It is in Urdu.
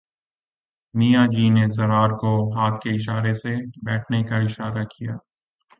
میاں جی نے ضرار کو ہاتھ کے اشارے سے بیٹھنے کا اشارہ کیا